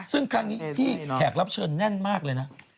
ซึ่งครั้งนี้พี่แขกรับเชิญแน่นมากเลยนะ